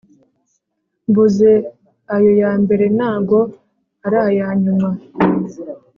Mvuze ayo yambere nago arayanyuma